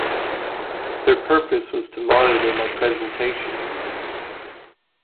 Their purpose was to monitor my presentation.